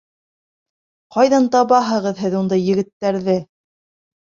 Ҡайҙан табаһығыҙ һеҙ ундай егеттәрҙе?